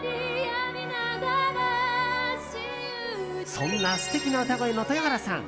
そんな素敵な歌声の豊原さん。